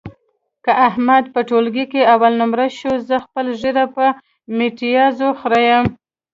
که احمد په ټولګي کې اول نمره شو، زه خپله ږیره په میتیازو خرېیم.